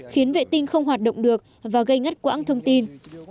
khiến vệ tinh không hoạt động được và gây ngắt quãng thông tin